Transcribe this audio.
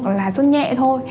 hoặc là sốt nhẹ thôi